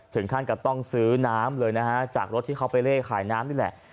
ถึงขั้นกับต้องซื้อน้ำเลยนะฮะจากรถที่เขาไปเล่ขายน้ำนี่แหละ